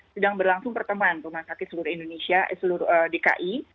sedang berlangsung pertemuan rumah sakit seluruh indonesia seluruh dki